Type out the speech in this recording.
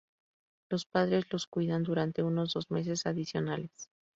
Los padres los cuidan durante unos dos meses adicionales.